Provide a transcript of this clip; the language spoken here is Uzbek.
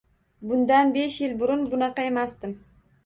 Bundan besh yil burun bunaqa emasdim.